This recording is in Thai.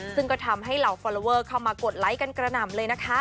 ซึ่งก็ทำให้เหล่าฟอลลอเวอร์เข้ามากดไลค์กันกระหน่ำเลยนะคะ